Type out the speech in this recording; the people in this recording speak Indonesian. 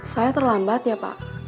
saya terlambat ya pak